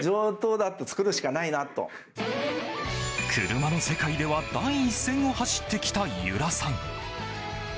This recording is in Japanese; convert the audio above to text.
車の世界では第一線を走ってきた由良さん。